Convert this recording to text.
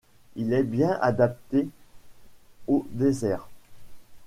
Il est bien adapté au désert.